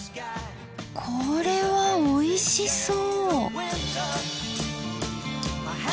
これはおいしそう。